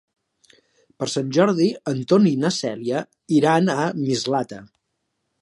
Per Sant Jordi en Ton i na Cèlia iran a Mislata.